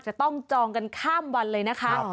จะต้องจองกันข้ามวันเลยนะคะ